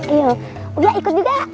iya ikut juga